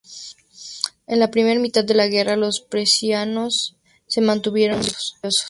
En la primera mitad de la guerra, los prusianos se mantuvieron victoriosos.